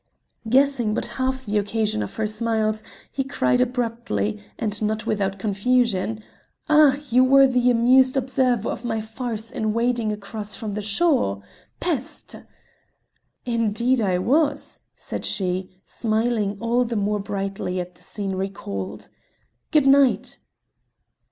Guessing but half the occasion of her smiles, he cried abruptly, and not without confusion: "Ah! you were the amused observer of my farce in wading across from the shore. Peste!" "Indeed and I was!" said she, smiling all the more brightly at the scene recalled. "Good night!"